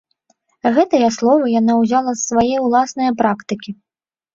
Гэтыя словы яна ўзяла з свае ўласнае практыкі.